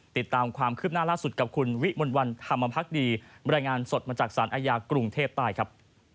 ติดตามความคืบหน้าล่าสุดกับคุณวิมลวันธรรมพักดีบรรยายงานสดมาจากสารอาญากรุงเทพใต้ครับ